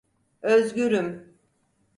Özgürüm!